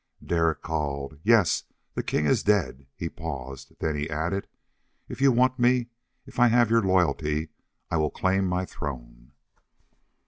Derek called, "Yes, the king is dead!" He paused. Then he added, "If you want me if I have your loyalty I will claim my throne."